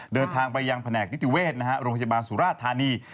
เดินทางไปยังแผนกนิติเวศโรงพยาบาลสุราธานี